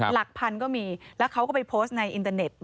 หลักพันก็มีแล้วเขาก็ไปโพสต์ในอินเตอร์เน็ต